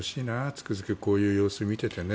つくづくこの様子を見ててね。